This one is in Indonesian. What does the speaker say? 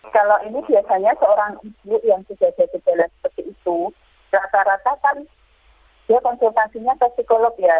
kalau ini biasanya seorang ibu yang sudah ada gejala seperti itu rata rata kan dia konsultasinya ke psikolog ya